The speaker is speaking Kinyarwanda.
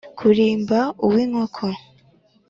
kurimba uw’inkoko